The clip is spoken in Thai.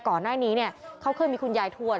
ก่อนหน้านี้เนี่ยเขาเคยมีคุณยายทวน